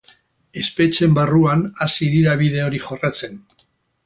Espetxeen barruan hasi dira bide hori jorratzen.